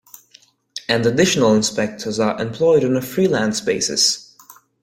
And additional inspectors are employed on freelance basis.